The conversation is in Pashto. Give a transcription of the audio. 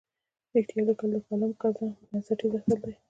رښتیا لیکل د کالم بنسټیز اصل دی.